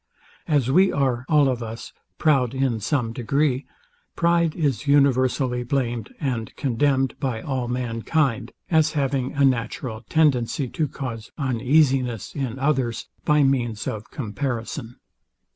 As we are, all of us, proud in some degree, pride is universally blamed and condemned by all mankind; as having a natural tendency to cause uneasiness in others by means of comparison.